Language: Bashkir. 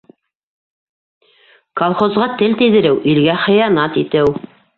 Колхозға тел тейҙереү - илгә хыянат итеү!